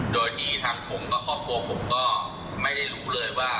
โดยที่ทางผมกับครอบครัวผมก็ไม่ได้รู้เลยว่า